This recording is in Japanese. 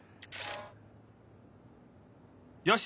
よし！